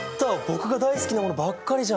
僕が大好きなものばっかりじゃん。